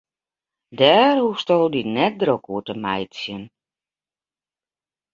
Dêr hoechsto dy net drok oer te meitsjen.